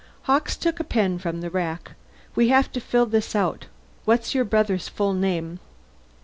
Hawkes took a pen from the rack. "We have to fill this out. What's your brother's full name?"